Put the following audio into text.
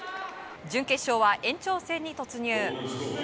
準決勝は延長戦に突入。